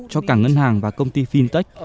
cho cả ngân hàng và công ty fintech